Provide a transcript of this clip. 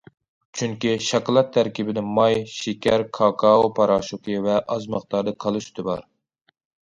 چۈنكى، شاكىلات تەركىبىدە ماي، شېكەر، كاكائو پاراشوكى ۋە ئاز مىقداردا كالا سۈتى بار.